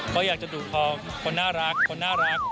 ก็อยากจะดูดคอคนน่ารัก